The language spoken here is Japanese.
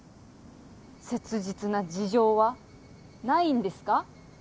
切実な事情はないんですか？